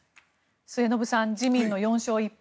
末延さん自民の４勝１敗